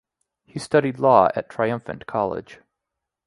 He studied law at Triumphant College.